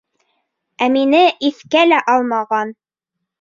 Ә мине иҫкә лә алмаған!